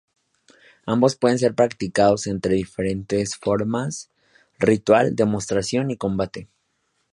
Ambos pueden ser practicados en tres diferentes formas: ritual, demostración y combate.